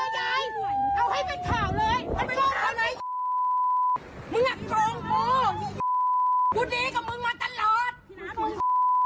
มีโฟงค้นกี่คน